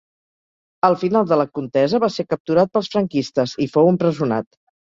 Al final de la contesa va ser capturat pels franquistes, i fou empresonat.